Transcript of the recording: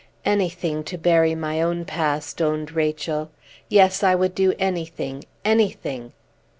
"Anything to bury my own past," owned Rachel; "yes, I would do anything anything!"